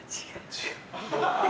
違う。